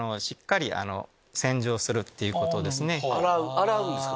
洗うんですか？